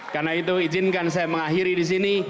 karena itu izinkan saya mengakhiri di sini